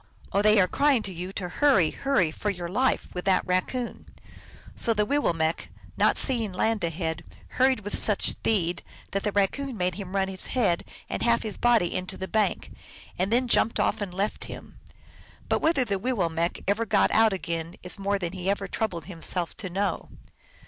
" Oh, they are crying to you to hurry, hurry, for your life, with that Raccoon !" So the Wiwill mekq , not seeing land ahead, hurried with such speed that the Raccoon made him run his head and half his THE MERRY TALES OF LOX. 185 body into the bank, and then jumped off and left him. But whether the Wiwillmekq ever got out again is more than he ever troubled himself to know.